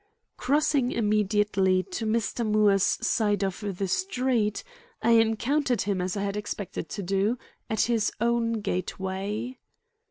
Crossing immediately to Mr. Moore's side of the street, I encountered him as I had expected to do, at his own gateway.